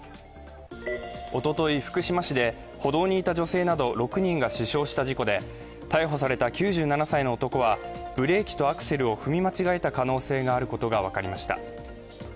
おととい、福島市で歩道にいた女性など６人が死傷した事故で逮捕された９７歳の男はブレーキとアクセルを踏み間違えた可能性があることが分かりました。